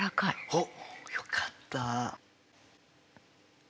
おっよかった。